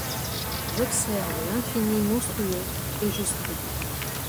J’observe l’infini monstrueux, et je scrute